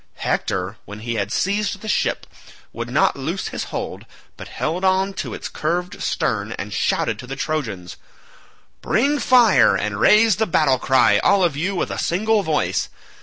Hector, when he had seized the ship, would not loose his hold but held on to its curved stern and shouted to the Trojans, "Bring fire, and raise the battle cry all of you with a single voice.